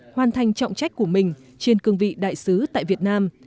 hoàn thành trọng trách của mình trên cương vị đại sứ tại việt nam